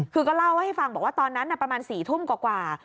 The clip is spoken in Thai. คือก็เล่าให้ฟังบอกว่าตอนนั้นประมาณ๔ทุ่มกว่า